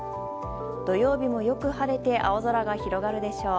土曜日もよく晴れて青空が広がるでしょう。